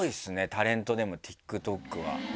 タレントでもＴｉｋＴｏｋは。